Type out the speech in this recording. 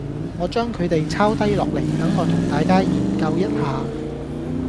我將佢哋抄低落嚟，等我同大家研究一下